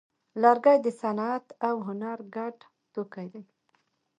لرګی د صنعت او هنر ګډ توکی دی.